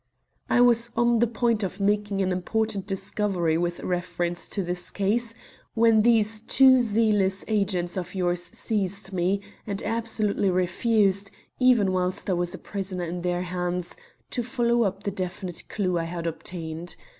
"I was on the point of making an important discovery with reference to this case when these too zealous agents of yours seized me and absolutely refused, even whilst I was a prisoner in their hands, to follow up the definite clue I had obtained.